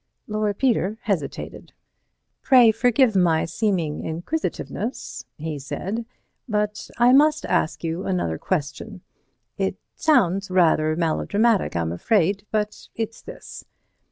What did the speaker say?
Lord Peter hesitated. "Pray forgive my seeming inquisitiveness," he said, "but I must ask you another question. It sounds rather melodramatic, I'm afraid, but it's this.